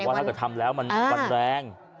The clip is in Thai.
บอกว่าถ้าเธอทำแล้วมันกันแรง